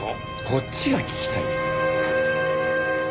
こっちが聞きたいよ！